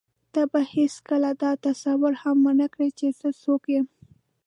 ته به هېڅکله دا تصور هم ونه کړې چې زه څوک یم.